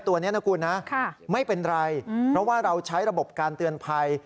ตัวนี้นะคุณนะไม่เป็นไรเพราะว่าเราใช้ระบบการเตือนภัย